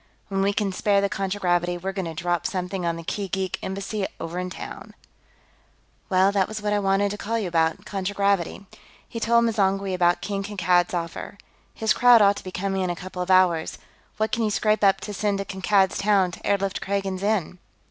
When we can spare the contragravity, we're going to drop something on the Kee geek embassy, over in town." "Well, that was what I wanted to call you about contragravity." He told M'zangwe about King Kankad's offer. "His crowd ought to be coming in in a couple of hours. What can you scrape up to send to Kankad's Town to airlift Kragans in?"